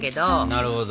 なるほど。